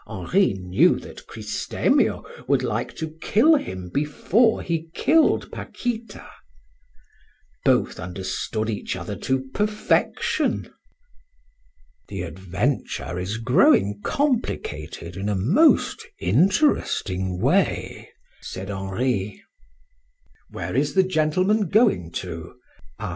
Henri knew that Cristemio would like to kill him before he killed Paquita. Both understood each other to perfection. "The adventure is growing complicated in a most interesting way," said Henri.